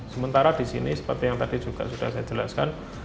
sementara disini seperti yang tadi juga sudah saya jelaskan